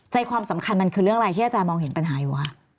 ความสำคัญมันคือเรื่องอะไรที่อาจารย์มองเห็นปัญหาอยู่คะ